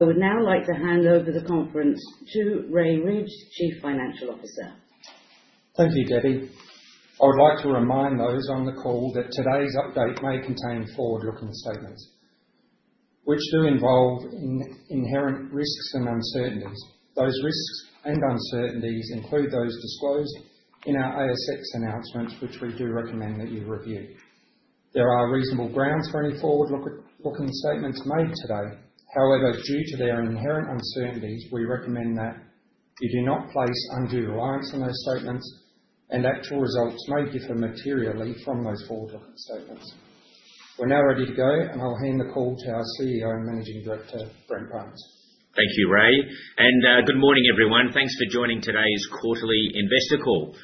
I would now like to hand over the conference to Ray Ridge, Chief Financial Officer. Thank you, Debbie. I would like to remind those on the call that today's update may contain forward-looking statements which do involve inherent risks and uncertainties. Those risks and uncertainties include those disclosed in our ASX announcements, which we do recommend that you review. There are reasonable grounds for any forward-looking statements made today. However, due to their inherent uncertainties, we recommend that you do not place undue reliance on those statements, and actual results may differ materially from those forward-looking statements. We're now ready to go, and I'll hand the call to our CEO and Managing Director, Brent Barnes. Thank you, Ray, and good morning, everyone. Thanks for joining today's quarterly investor call.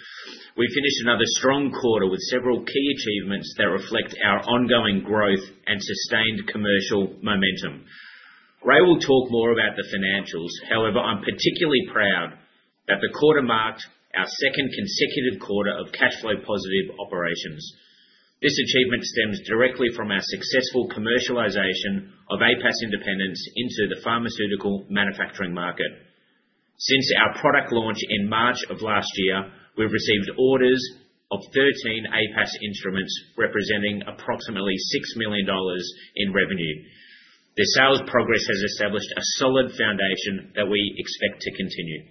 We've finished another strong quarter with several key achievements that reflect our ongoing growth and sustained commercial momentum. Ray will talk more about the financials. However, I'm particularly proud that the quarter marked our second consecutive quarter of cash flow positive operations. This achievement stems directly from our successful commercialization of APAS Independence into the pharmaceutical manufacturing market. Since our product launch in March of last year, we've received orders of 13 APAS instruments representing approximately 6 million dollars in revenue. The sales progress has established a solid foundation that we expect to continue.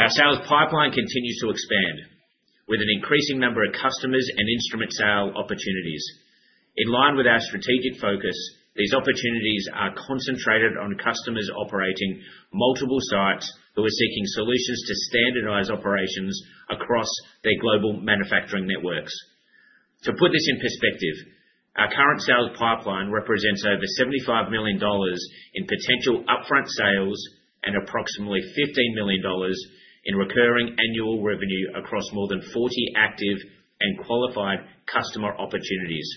Our sales pipeline continues to expand with an increasing number of customers and instrument sale opportunities. In line with our strategic focus, these opportunities are concentrated on customers operating multiple sites who are seeking solutions to standardise operations across their global manufacturing networks. To put this in perspective, our current sales pipeline represents over 75 million dollars in potential upfront sales and approximately 15 million dollars in recurring annual revenue across more than 40 active and qualified customer opportunities.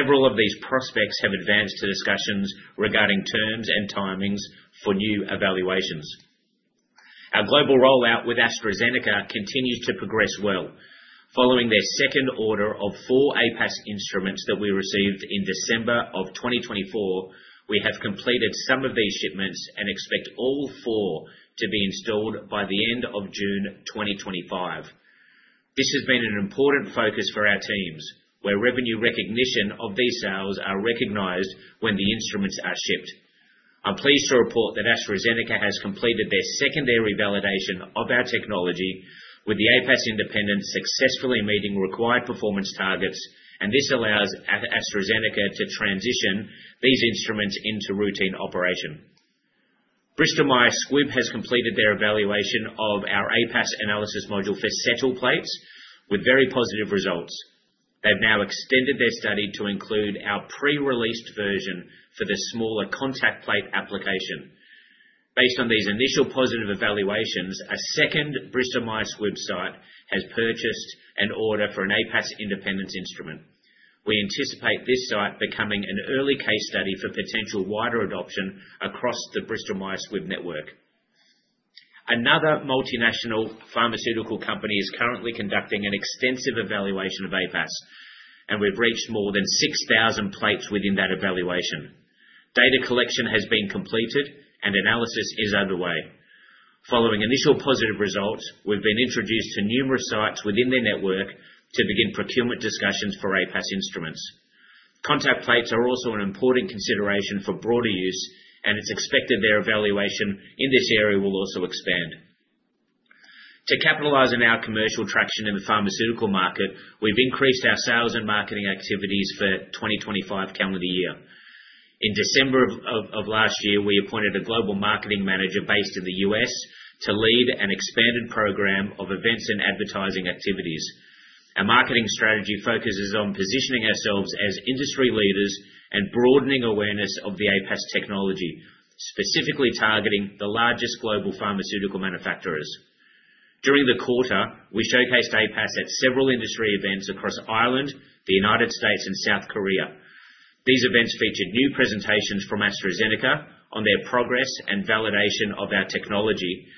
Several of these prospects have advanced to discussions regarding terms and timings for new evaluations. Our global rollout with AstraZeneca continues to progress well. Following their second order of four APAS instruments that we received in December of 2024, we have completed some of these shipments and expect all four to be installed by the end of June 2025. This has been an important focus for our teams, where revenue recognition of these sales is recognized when the instruments are shipped. I'm pleased to report that AstraZeneca has completed their secondary validation of our technology, with the APAS Independence successfully meeting required performance targets, and this allows AstraZeneca to transition these instruments into routine operation. Bristol Myers Squibb has completed their evaluation of our APAS analysis module for settle plates, with very positive results. They've now extended their study to include our pre-released version for the smaller contact plate application. Based on these initial positive evaluations, a second Bristol Myers Squibb site has purchased an order for an APAS Independence instrument. We anticipate this site becoming an early case study for potential wider adoption across the Bristol Myers Squibb network. Another multinational pharmaceutical company is currently conducting an extensive evaluation of APAS, and we've reached more than 6,000 plates within that evaluation. Data collection has been completed, and analysis is underway. Following initial positive results, we've been introduced to numerous sites within their network to begin procurement discussions for APAS instruments. Contact plates are also an important consideration for broader use, and it's expected their evaluation in this area will also expand. To capitalize on our commercial traction in the pharmaceutical market, we've increased our sales and marketing activities for 2025 calendar year. In December of last year, we appointed a global marketing manager based in the US to lead an expanded program of events and advertising activities. Our marketing strategy focuses on positioning ourselves as industry leaders and broadening awareness of the APAS technology, specifically targeting the largest global pharmaceutical manufacturers. During the quarter, we showcased APAS at several industry events across Ireland, the United States, and South Korea. These events featured new presentations from AstraZeneca on their progress and validation of our technology,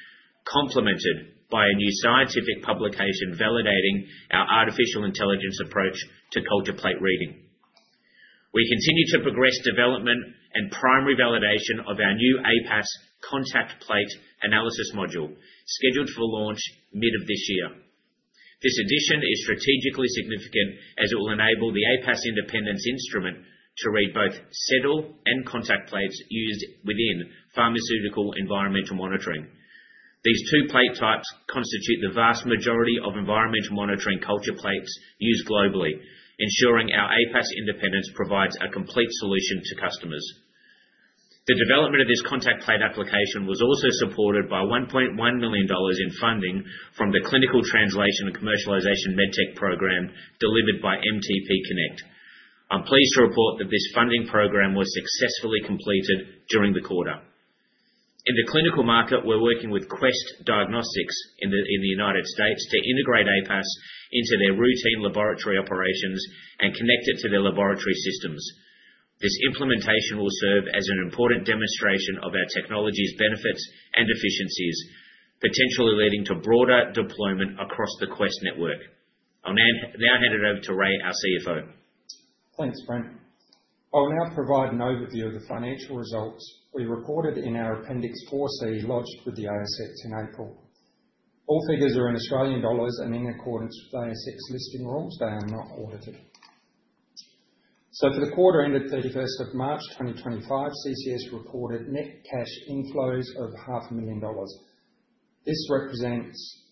complemented by a new scientific publication validating our artificial intelligence approach to culture plate reading. We continue to progress development and primary validation of our new APAS contact plate analysis module, scheduled for launch mid of this year. This addition is strategically significant as it will enable the APAS Independence instrument to read both settle and contact plates used within pharmaceutical environmental monitoring. These two plate types constitute the vast majority of environmental monitoring culture plates used globally, ensuring our APAS Independence provides a complete solution to customers. The development of this contact plate application was also supported by 1.1 million dollars in funding from the Clinical Translation and Commercialisation MedTech program delivered by MTPConnect. I'm pleased to report that this funding program was successfully completed during the quarter. In the clinical market, we're working with Quest Diagnostics in the United States to integrate APAS into their routine laboratory operations and connect it to their laboratory systems. This implementation will serve as an important demonstration of our technology's benefits and efficiencies, potentially leading to broader deployment across the Quest network. I'll now hand it over to Ray, our CFO. Thanks, Brent. I will now provide an overview of the financial results we recorded in our Appendix 4C, lodged with the ASX in April. All figures are in Australian dollars and in accordance with ASX listing rules. They are not audited. For the quarter ended 31st of March 2025, CCS reported net cash inflows of $500,000. This represents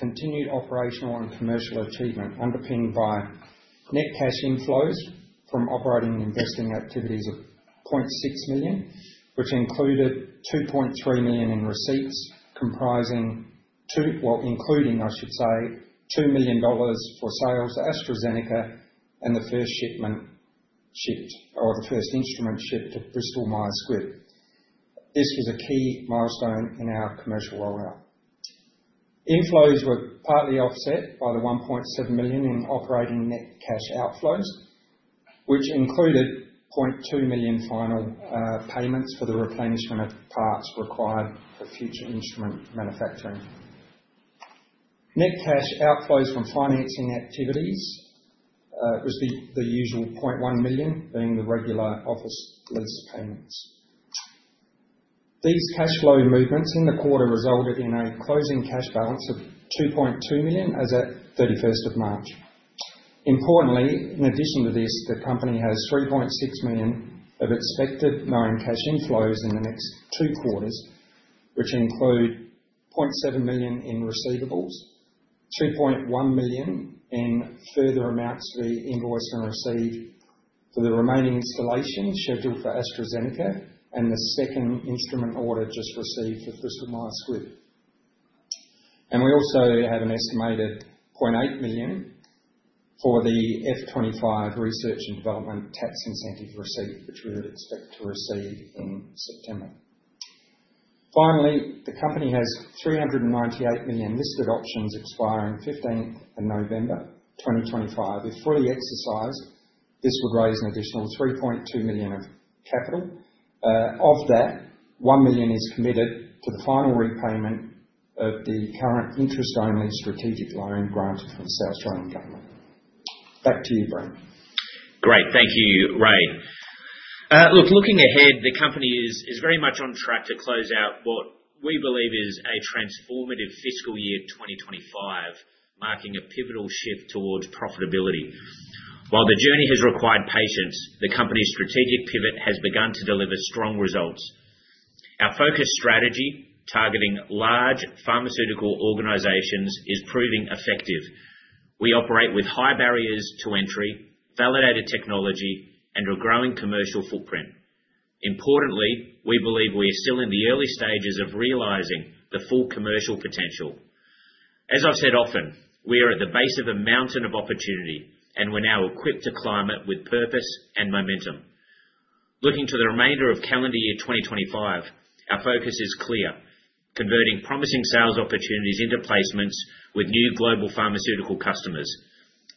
continued operational and commercial achievement, underpinned by net cash inflows from operating and investing activities of $0.6 million, which included $2.3 million in receipts, comprising, well, including, I should say, $2 million for sales to AstraZeneca and the first instrument shipped to Bristol Myers Squibb. This was a key milestone in our commercial rollout. Inflows were partly offset by the $1.7 million in operating net cash outflows, which included $0.2 million final payments for the replenishment of parts required for future instrument manufacturing. Net cash outflows from financing activities was the usual $0.1 million, being the regular office lease payments. These cash flow movements in the quarter resulted in a closing cash balance of $2.2 million as of 31st of March. Importantly, in addition to this, the company has $3.6 million of expected known cash inflows in the next two quarters, which include $0.7 million in receivables, $2.1 million in further amounts to be invoiced and received for the remaining installation scheduled for AstraZeneca and the second instrument order just received for Bristol Myers Squibb, and we also have an estimated $0.8 million for the FY25 research and development tax incentive receipt, which we would expect to receive in September. Finally, the company has $398 million listed options expiring 15th of November 2025. If fully exercised, this would raise an additional $3.2 million of capital. Of that, 1 million is committed to the final repayment of the current interest-only strategic loan granted from the South Australian Government. Back to you, Brent. Great. Thank you, Ray. Look, looking ahead, the company is very much on track to close out what we believe is a transformative fiscal year 2025, marking a pivotal shift towards profitability. While the journey has required patience, the company's strategic pivot has begun to deliver strong results. Our focused strategy, targeting large pharmaceutical organizations, is proving effective. We operate with high barriers to entry, validated technology, and a growing commercial footprint. Importantly, we believe we are still in the early stages of realising the full commercial potential. As I've said often, we are at the base of a mountain of opportunity, and we're now equipped to climb it with purpose and momentum. Looking to the remainder of calendar year 2025, our focus is clear: converting promising sales opportunities into placements with new global pharmaceutical customers.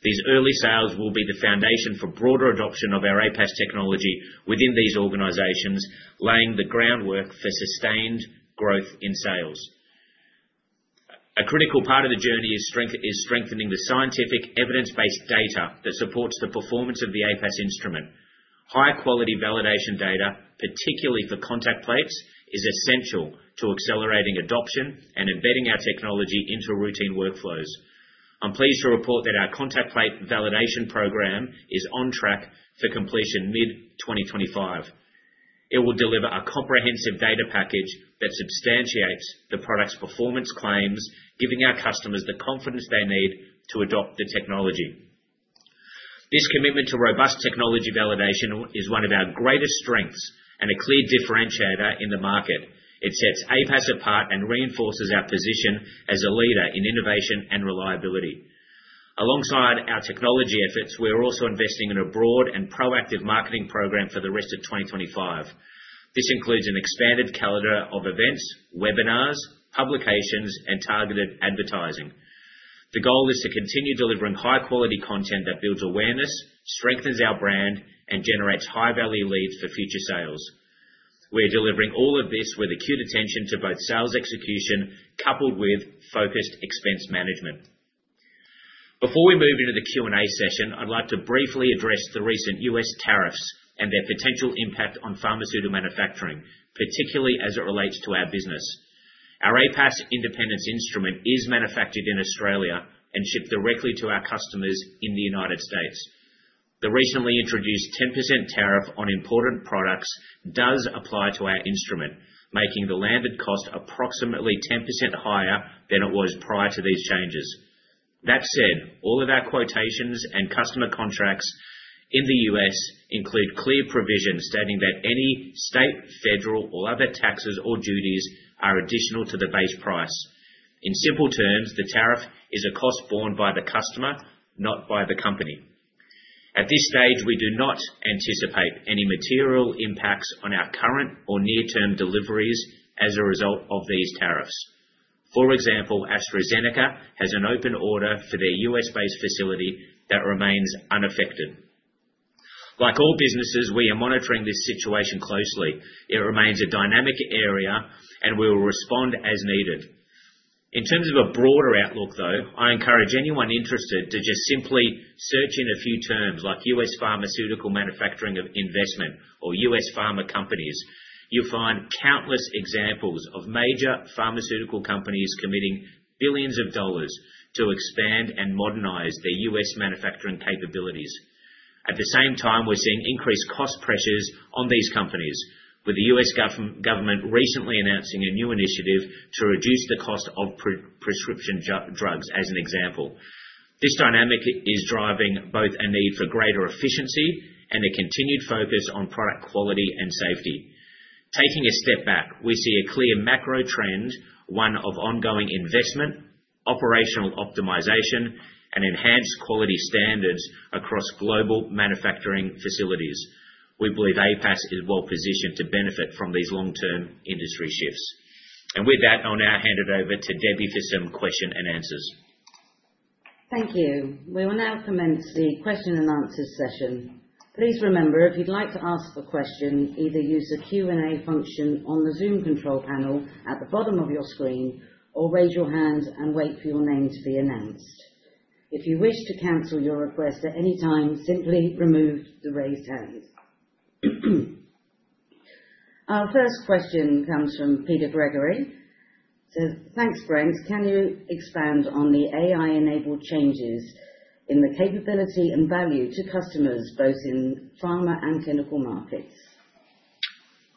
These early sales will be the foundation for broader adoption of our APAS technology within these organizations, laying the groundwork for sustained growth in sales. A critical part of the journey is strengthening the scientific evidence-based data that supports the performance of the APAS instrument. High-quality validation data, particularly for contact plates, is essential to accelerating adoption and embedding our technology into routine workflows. I'm pleased to report that our contact plate validation program is on track for completion mid-2025. It will deliver a comprehensive data package that substantiates the product's performance claims, giving our customers the confidence they need to adopt the technology. This commitment to robust technology validation is one of our greatest strengths and a clear differentiator in the market. It sets APAS apart and reinforces our position as a leader in innovation and reliability. Alongside our technology efforts, we are also investing in a broad and proactive marketing program for the rest of 2025. This includes an expanded calendar of events, webinars, publications, and targeted advertising. The goal is to continue delivering high-quality content that builds awareness, strengthens our brand, and generates high-value leads for future sales. We are delivering all of this with acute attention to both sales execution coupled with focused expense management. Before we move into the Q&A session, I'd like to briefly address the recent U.S. tariffs and their potential impact on pharmaceutical manufacturing, particularly as it relates to our business. Our APAS Independence instrument is manufactured in Australia and shipped directly to our customers in the United States. The recently introduced 10% tariff on imported products does apply to our instrument, making the landed cost approximately 10% higher than it was prior to these changes. That said, all of our quotations and customer contracts in the U.S. include clear provisions stating that any state, federal, or other taxes or duties are additional to the base price. In simple terms, the tariff is a cost borne by the customer, not by the company. At this stage, we do not anticipate any material impacts on our current or near-term deliveries as a result of these tariffs. For example, AstraZeneca has an open order for their U.S.-based facility that remains unaffected. Like all businesses, we are monitoring this situation closely. It remains a dynamic area, and we will respond as needed. In terms of a broader outlook, though, I encourage anyone interested to just simply search in a few terms like U.S. pharmaceutical manufacturing of investment or U.S. pharma companies. You'll find countless examples of major pharmaceutical companies committing billions of dollars to expand and modernize their U.S. manufacturing capabilities. At the same time, we're seeing increased cost pressures on these companies, with the U.S. government recently announcing a new initiative to reduce the cost of prescription drugs, as an example. This dynamic is driving both a need for greater efficiency and a continued focus on product quality and safety. Taking a step back, we see a clear macro trend, one of ongoing investment, operational optimization, and enhanced quality standards across global manufacturing facilities. We believe APAS is well positioned to benefit from these long-term industry shifts. And with that, I'll now hand it over to Debbie for some questions and answers. Thank you. We will now commence the question and answer session. Please remember, if you'd like to ask a question, either use the Q&A function on the Zoom control panel at the bottom of your screen or raise your hand and wait for your name to be announced. If you wish to cancel your request at any time, simply remove the raised hand. Our first question comes from Peter Gregory. So thanks, Brent. Can you expand on the AI-enabled changes in the capability and value to customers, both in pharma and clinical markets?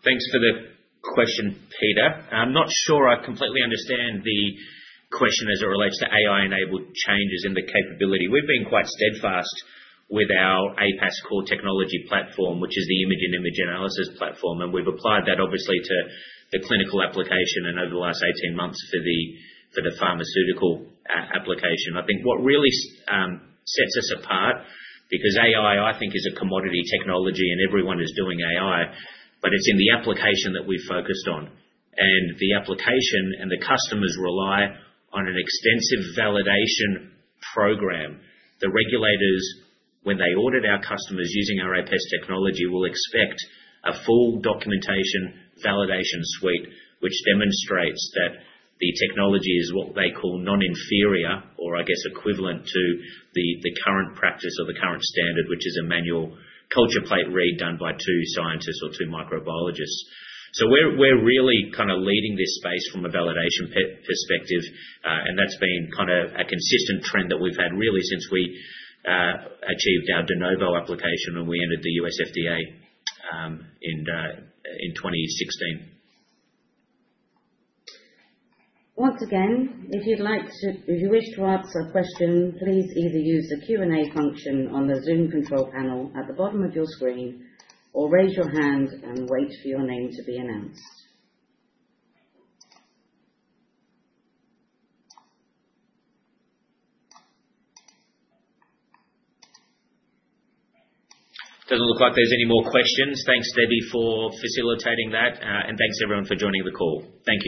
Thanks for the question, Peter. I'm not sure I completely understand the question as it relates to AI-enabled changes in the capability. We've been quite steadfast with our APAS core technology platform, which is the image and image analysis platform, and we've applied that, obviously, to the clinical application and over the last 18 months for the pharmaceutical application. I think what really sets us apart, because AI, I think, is a commodity technology and everyone is doing AI, but it's in the application that we've focused on, and the application and the customers rely on an extensive validation program. The regulators, when they audit our customers using our APAS technology, will expect a full documentation validation suite, which demonstrates that the technology is what they call non-inferior or, I guess, equivalent to the current practice or the current standard, which is a manual culture plate read done by two scientists or two microbiologists, so we're really kind of leading this space from a validation perspective, and that's been kind of a consistent trend that we've had really since we achieved our de novo application and we entered the US FDA in 2016. Once again, if you wish to answer a question, please either use the Q&A function on the Zoom control panel at the bottom of your screen or raise your hand and wait for your name to be announced. Doesn't look like there's any more questions. Thanks, Debbie, for facilitating that, and thanks everyone for joining the call. Thank you.